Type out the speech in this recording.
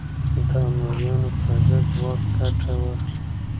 د امویانو پر ضد ځواک ګټه واخلي